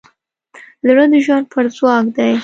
زړه د ژوند پټ ځواک دی.